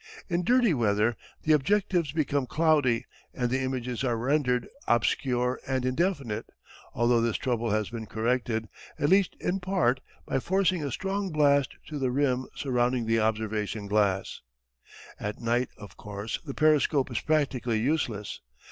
In dirty weather the objectives become cloudy and the images are rendered obscure and indefinite, although this trouble has been corrected, at least in part, by forcing a strong blast through the rim surrounding the observation glass. At night, of course, the periscope is practically useless.